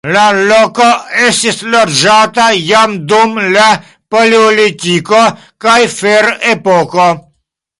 La loko estis loĝata jam dum la paleolitiko kaj ferepoko.